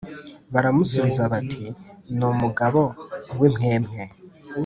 Baramusubiza bati Ni umugabo w impwempwe